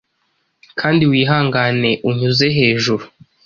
Kandi wihangane unyuze hejuru